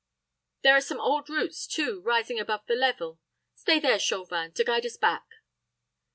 There are some old roots, too, rising above the level. Stay there, Chauvin, to guide us back."